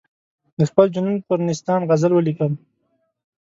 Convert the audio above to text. د خپل جنون پر نیستان غزل ولیکم.